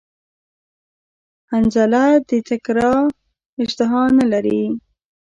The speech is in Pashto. حنظله د تکری اشتها نلری